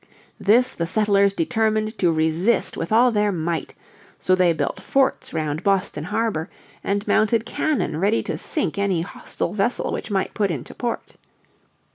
This the settlers determined to resist with all their might. So they built forts round Boston Harbour and mounted cannon ready to sink any hostile vessel which might put into port.